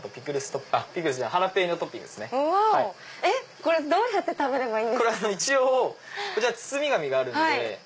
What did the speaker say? これどう食べればいいんですか？